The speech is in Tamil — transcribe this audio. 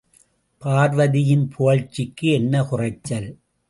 பார்வதியின் புகழ்ச்சிக்கு என்ன குறைச்சல்?